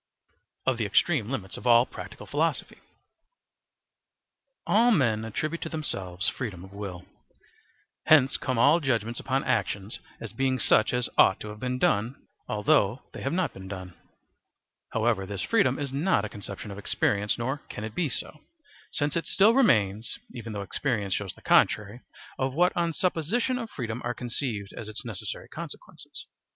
Of the Extreme Limits of all Practical Philosophy. All men attribute to themselves freedom of will. Hence come all judgements upon actions as being such as ought to have been done, although they have not been done. However, this freedom is not a conception of experience, nor can it be so, since it still remains, even though experience shows the contrary of what on supposition of freedom are conceived as its necessary consequences.